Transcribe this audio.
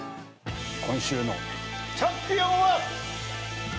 今週のチャンピオンは。